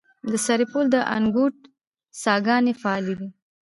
د سرپل د انګوت څاګانې فعالې دي؟